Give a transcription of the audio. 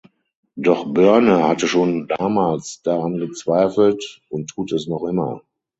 Doch Boerne hatte schon damals daran gezweifelt und tut es noch immer.